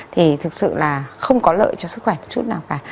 thì thực sự là không có lợi cho sức khỏe một chút nào cả